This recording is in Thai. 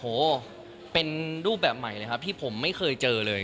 โอ้โหเป็นรูปแบบใหม่เลยครับที่ผมไม่เคยเจอเลย